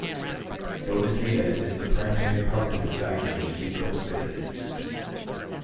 Bodhicitta is the primary positive factor to be cultivated.